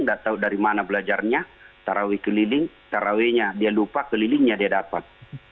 tidak tahu dari mana belajarnya tarawe keliling tarawe nya dia lupa kelilingnya dia dapat